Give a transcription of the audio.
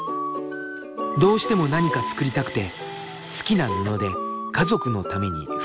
どうしても何か作りたくて好きな布で家族のために服を縫った。